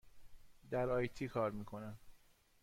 در آی تی کار می کنم.